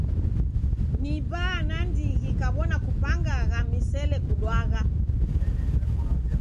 Ni baa nandighi kaw'ona kupangagha misele kudwagha.